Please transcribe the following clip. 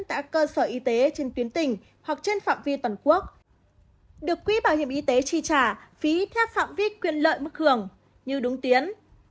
tại cơ sở y tế trên tuyến tỉnh hoặc trên phạm vi toàn quốc được quỹ bảo hiểm y tế chi trả phí theo phạm vi quyền lợi mức hưởng như đúng tiến